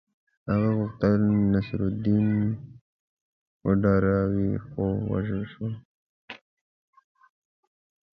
هغه غوښتل نصرالدین وډاروي خو ووژل شو.